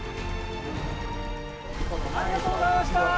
ありがとうございましたー！